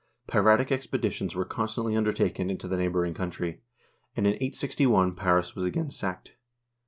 Piratic expeditions were constantly undertaken into the neighboring country, and in 861 Paris was again sacked.